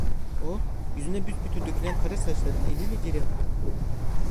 O, yüzüne büsbütün dökülen kara saçlarını eliyle geriye attı.